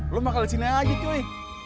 lo makan disini aja cuy